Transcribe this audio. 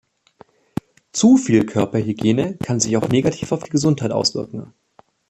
Zu viel Körperhygiene kann sich auch negativ auf die Gesundheit auswirken.